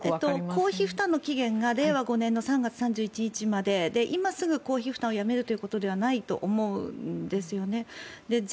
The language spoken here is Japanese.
公費負担の期限が令和５年の３月３１日まで今すぐ公費負担をやめるということではないと思うんですよね。